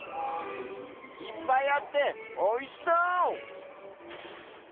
いっぱいあっておいしそう！